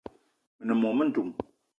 Me ne mô-mendum